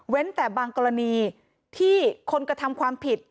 แต่บางกรณีที่คนกระทำความผิด